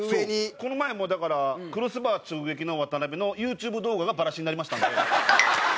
この前もだからクロスバー直撃の渡邊のＹｏｕＴｕｂｅ動画がバラシになりましたんで。